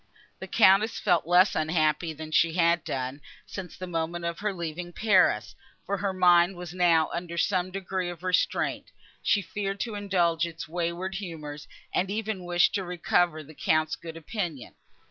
The Countess felt less unhappy than she had done, since the moment of her leaving Paris; for her mind was now under some degree of restraint; she feared to indulge its wayward humours, and even wished to recover the Count's good opinion.